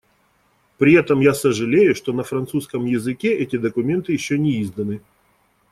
При этом я сожалею, что на французском языке эти документы еще не изданы.